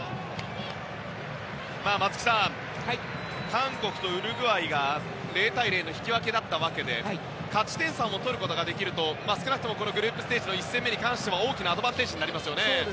松木さん、韓国とウルグアイが０対０の引き分けだったわけで勝ち点３を取ることができると少なくともグループステージの１戦目に関しては大きなアドバンテージになりますね。